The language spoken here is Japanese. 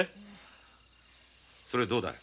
それよりどうだい？